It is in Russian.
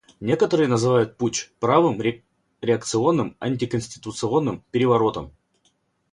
Некоторые называют путч правым реакционным антиконституционным переворотом.